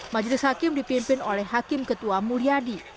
majelis hakim dipimpin oleh hakim ketua mulyadi